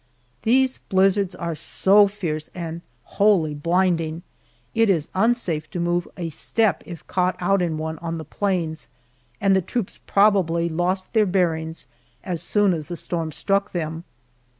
These blizzards are so fierce and wholly blinding, it is unsafe to move a step if caught out in one on the plains, and the troops probably lost their bearings as soon as the storm struck them.